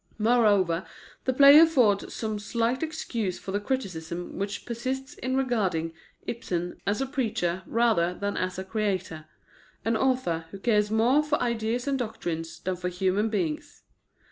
Moreover, the play affords some slight excuse for the criticism which persists in regarding Ibsen as a preacher rather than as a creator an author who cares more for ideas and doctrines than for human beings.